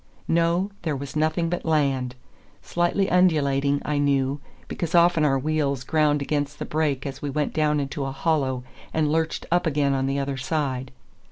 No, there was nothing but land—slightly undulating, I knew, because often our wheels ground against the brake as we went down into a hollow and lurched up again on the other side.